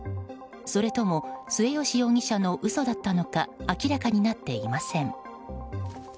それとも末吉容疑者の嘘だったのか明らかになっていません。